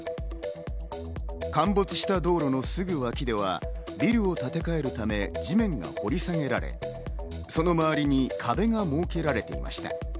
陥没した道路のすぐ脇にはビルを建て替えるため、地面が掘り下げされ、その周りに壁が設けられていました。